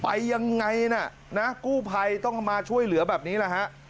ไปยังไงนะกู้ภัยต้องมาช่วยเหลือแบบนี้แหละฮะ